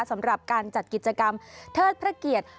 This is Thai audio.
สำหรับการจัดกิจกรรมเทิดพระเกียรติ